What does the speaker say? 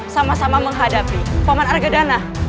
sama sama menghadapi paman argadana